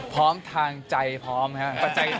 พร้อมทางใจพร้อมครับ